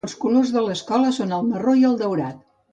Els colors de l'escola són el marró i el daurat.